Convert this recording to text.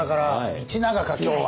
道長か今日は。